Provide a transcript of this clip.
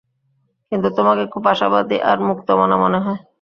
কিন্তু তোমাকে খুব আশাবাদী আর মুক্তমনা মনে হয়।